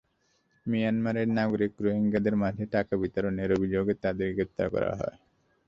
মিয়ানমারের নাগরিক রোহিঙ্গাদের মাঝে টাকা বিতরণের অভিযোগে তাঁদের গ্রেপ্তার করা হয়।